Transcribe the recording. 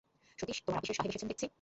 সতীশ, তোমার আপিসের সাহেব এসেছেন দেখছি।